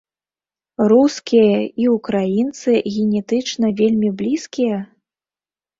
Рускія і ўкраінцы генетычна вельмі блізкія.